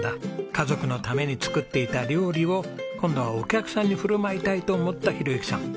家族のために作っていた料理を今度はお客さんに振る舞いたいと思った宏幸さん。